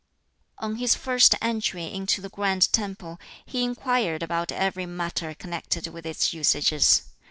On his first entry into the grand temple, he inquired about every matter connected with its usages.